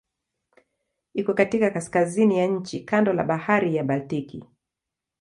Iko katika kaskazini ya nchi kando la Bahari ya Baltiki.